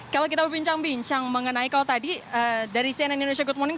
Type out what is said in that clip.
kalau kita berbincang bincang mengenai kalau tadi dari cnn indonesia good morning